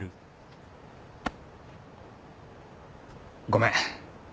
ごめん。